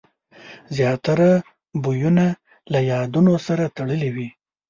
زیاتره بویونه له یادونو سره تړلي وي.